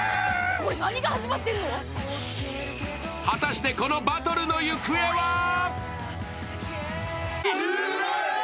果たして、このバトルの行方は？